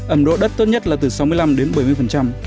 ẩm độ đất tốt nhất là từ sáu mươi năm đến bảy mươi